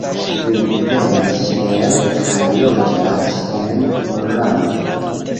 Li venas el kaj loĝas en Pollando.